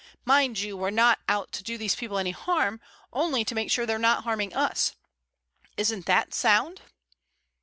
Mind you, we're not out to do these people any harm, only to make sure they're not harming us. Isn't that sound?"